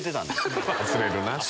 忘れるなぁ。